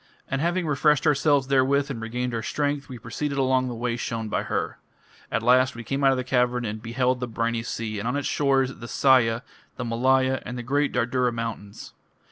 And having refreshed ourselves therewith and regained our strength, we proceeded along the way shown by her. At last we came out of the cavern and beheld the briny sea, and on its shores, the Sahya, the Malaya, and the great Dardura mountains.